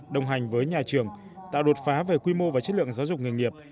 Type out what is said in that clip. đồng hành với nhà trường tạo đột phá về quy mô và chất lượng giáo dục nghề nghiệp